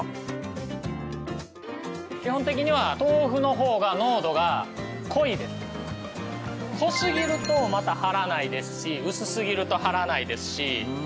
基本的には濃すぎるとまた張らないですし薄すぎると張らないですし。